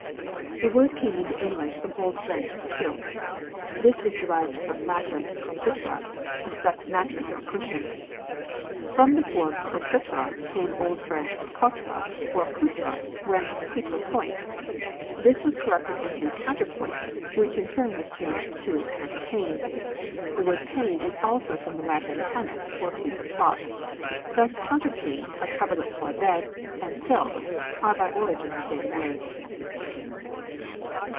"The word came into English from old French cuilte. This is derived from Latin culcitra, a stuffed mattress or cushion. From the form culcitra came old French cotra, or coutre whence coutre pointe; this was corrupted into counterpoint, which in turn was changed to counterpane. The word 'pane' is also from the Latin pannus, a piece of cloth. Thus 'counterpane,' a coverlet for a bed, and 'quilt' are by origin the same word."